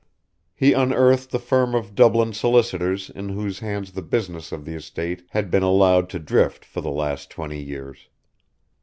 He unearthed the firm of Dublin solicitors in whose hands the business of the estate had been allowed to drift for the last twenty years.